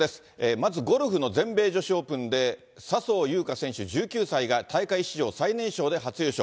まずゴルフの全米女子オープンで、笹生優花選手１９歳が、大会史上最年少で初優勝。